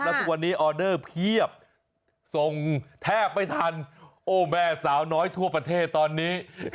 แล้วทุกวันนี้ออเดอร์เพียบส่งแทบไม่ทันโอ้แม่สาวน้อยทั่วประเทศตอนนี้